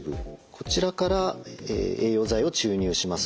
こちらから栄養剤を注入します。